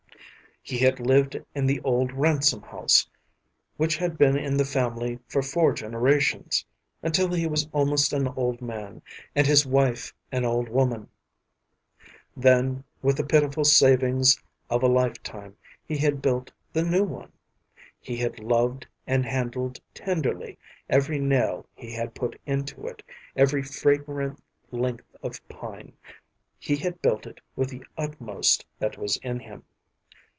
He had lived in the old Ransom house, which had been in the family for four generations, until he was almost an old man and his wife an old woman, then with the pitiful savings of a lifetime he had built the new one. He had loved and handled tenderly every nail he had put into it, every fragrant length of pine; he had built it with the utmost that was in him.